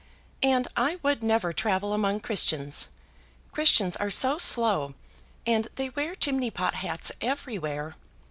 "And I would never travel among Christians. Christians are so slow, and they wear chimney pot hats everywhere.